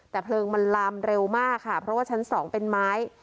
แต่เพลิงมันลามเร็วมากค่ะเพราะว่าชั้นสองเป็นไม้